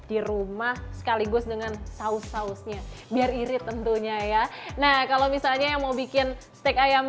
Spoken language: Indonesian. di rumah sekaligus dengan saus sausnya biar irit tentunya ya nah kalau misalnya yang mau bikin steak ayam